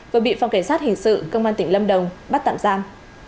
vừa bị phòng cảnh sát hình sự công an tỉnh lâm đồng bắt tạm giam